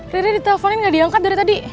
riri diteleponin nggak diangkat dari tadi